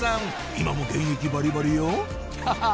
今も現役バリバリよハハっ！